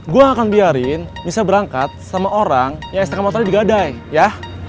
gue akan biarin bisa berangkat sama orang yang stk motornya digadai ya